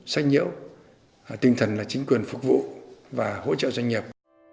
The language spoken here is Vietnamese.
sách nhiễu tinh thần là chính quyền phục vụ và hỗ trợ doanh nghiệp